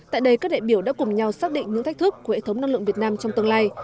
tại đây các đại biểu đã cùng nhau xác định những thách thức của hệ thống năng lượng việt nam trong tương lai